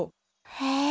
へえ。